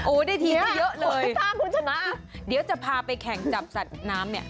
โอ้ได้ทีมก็เยอะเลยเดี๋ยวจะพาไปแข่งจับสัตว์น้ำเนี่ย